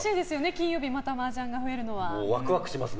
金曜日、マージャンが増えるのは。